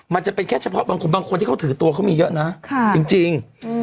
มันจะเป็นแค่เฉพาะบางคนบางคนที่เขาถือตัวเขามีเยอะนะจริง